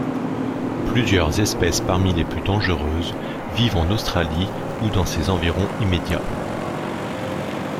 Plusieurs espèces parmi les plus dangereuses vivent en Australie ou dans ses environs immédiats.